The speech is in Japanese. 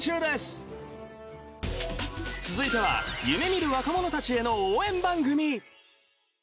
続いては夢見る若者たちへの応援番組。